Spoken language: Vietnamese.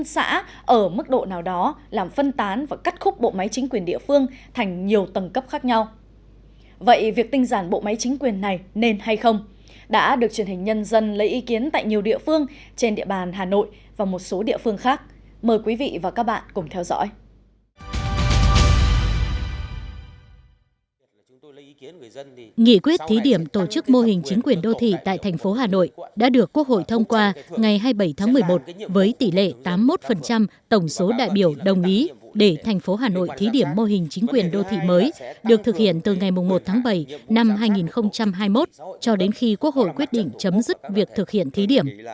quốc hội thông qua ngày hai mươi bảy tháng một mươi một với tỷ lệ tám mươi một tổng số đại biểu đồng ý để thành phố hà nội thí điểm mô hình chính quyền đô thị mới được thực hiện từ ngày một tháng bảy năm hai nghìn hai mươi một cho đến khi quốc hội quyết định chấm dứt việc thực hiện thí điểm